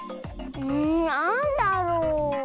んなんだろう？